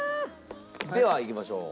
ではいきましょう。